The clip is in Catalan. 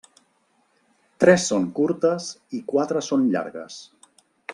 Tres són curtes i quatre són llargues.